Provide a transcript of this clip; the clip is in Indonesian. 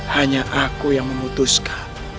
hanya aku yang memutuskan